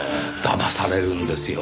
だまされるんですよ。